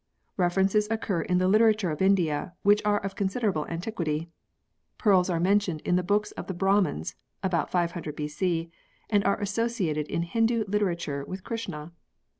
References occur in the literature of India which are of considerable antiquity. Pearls are mentioned in the books of the Brahmans (about 500 B.C.) and are associated in Hindu literature with Krishna.